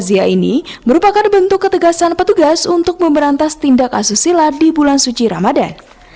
razia ini merupakan bentuk ketegasan petugas untuk memberantas tindak asusila di bulan suci ramadan